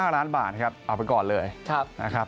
๕ล้านบาทครับเอาไปก่อนเลยนะครับ